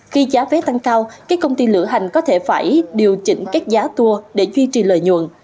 khi giá vé tăng cao các công ty lửa hành có thể phải điều chỉnh các giá tour để duy trì lợi nhuận